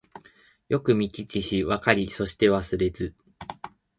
よくみききしわかりそしてわすれず